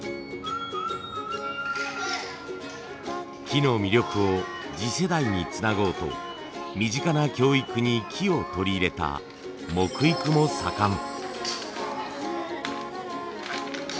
木の魅力を次世代につなごうと身近な教育に木を取り入れた木育も盛ん。